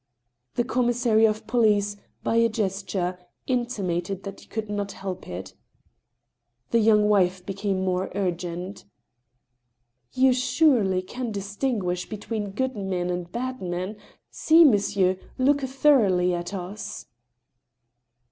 The commissary of police, by a gesture, intimated that he could not help it. The young wife became more urgent, " You surely can distinguish between good men and bad men. See, monsieur — look thoroughly at us."